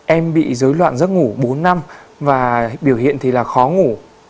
em bị dối loạn giấc ngủ bốn năm và biểu hiện thì là khó ngủ